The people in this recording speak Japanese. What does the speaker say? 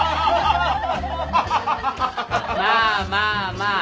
まあまあまあ。